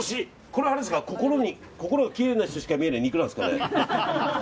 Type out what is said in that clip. これは心がきれいな人しか見えないお肉なんですかね？